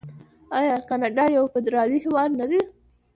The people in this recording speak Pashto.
آیا کاناډا یو فدرالي هیواد نه دی؟